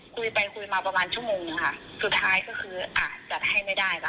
คุยไปคุยมาประมาณชั่วโมงหนึ่งค่ะสุดท้ายก็คืออ่ะจัดให้ไม่ได้ว่